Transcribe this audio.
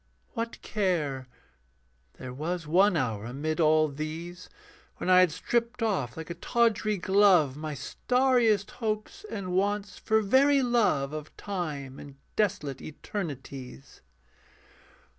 What care? There was one hour amid all these When I had stripped off like a tawdry glove My starriest hopes and wants, for very love Of time and desolate eternities.